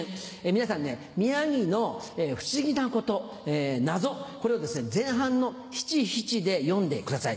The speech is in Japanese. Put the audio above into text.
皆さん宮城の不思議なこと謎これをですね前半の七・七で詠んでください。